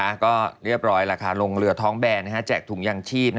แล้วก็เรียบร้อยแล้วค่ะลงเรือท้องแบนแจกถุงยางชีพ